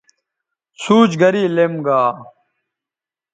سوچ گرے لیم گا